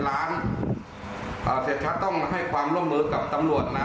๘๐ล้านเศษชัตริย์ต้องให้ความร่วมมือกับตำรวจนะ